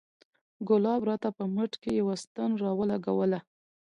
ګلاب راته په مټ کښې يوه ستن راولګوله.